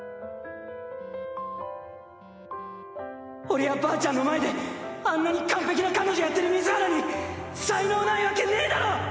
俺やばあちゃんの前であんなに完璧な彼女やってる水原に才能ないわけねぇだろ！